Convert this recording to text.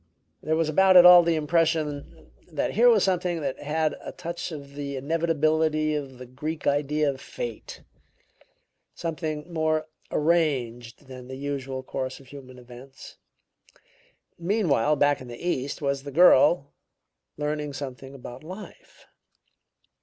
There was about it all the impression that here was something that had a touch of the inevitability of the Greek idea of fate; something more arranged than the usual course of human events. Meanwhile, back in the East, was the girl, learning something about life."